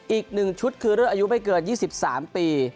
อีกหนึ่งชุดคือเลือกอายุไม่เกิน๒๓ปี